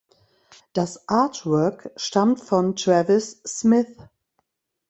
Das Artwork stammt von Travis Smith.